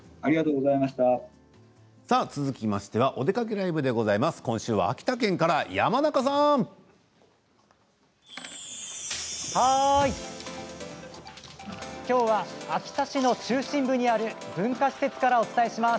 続きまして「おでかけＬＩＶＥ」きょうは秋田市の中心部にある文化施設からお伝えします。